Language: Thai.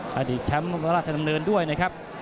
พี่แชมพ์มัตรธรรมเนินด้วยนะครับ